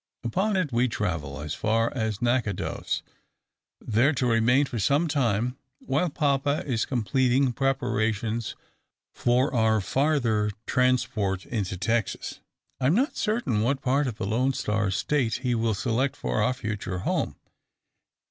Upon it we travel, as far as Natchitoches. There to remain for some time, while papa is completing preparations for our farther transport into Texas, I am not certain what part of the `Lone Star' State he will select for our future home.